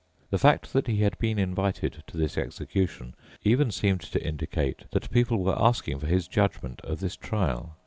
The fact that he had been invited to this execution even seemed to indicate that people were asking for his judgment of this trial.